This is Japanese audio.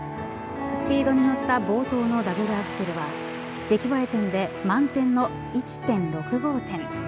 スピードに乗った冒頭のダブルアクセルは出来栄え点で満点の１．６５点。